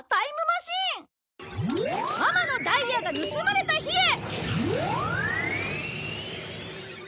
ママのダイヤが盗まれた日へ！